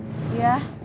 jadi apa yang kamu mau